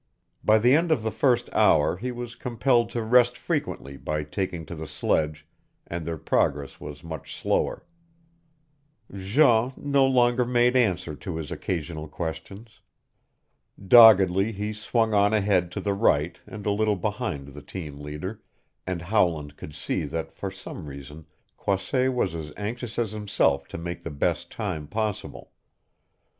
By the end of the first hour he was compelled to rest frequently by taking to the sledge, and their progress was much slower. Jean no longer made answer to his occasional questions. Doggedly he swung on ahead to the right and a little behind the team leader, and Howland could see that for some reason Croisset was as anxious as himself to make the best time possible.